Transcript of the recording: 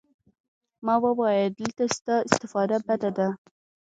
ما وويل دلته ستا استفاده بده ده.